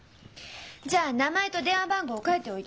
じゃあ名前と電話番号書いておいて。